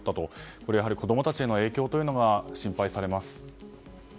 これは子供たちへの影響というのが心配されます。